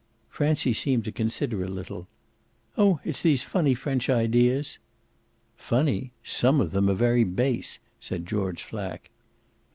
Francie seemed to consider a little. "Oh it's these funny French ideas." "Funny? Some of them are very base," said George Flack.